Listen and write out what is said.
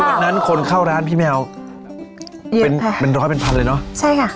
วันนั้นคนเข้าร้านพี่แมวเป็นเป็นร้อยเป็นพันเลยเนอะใช่ค่ะ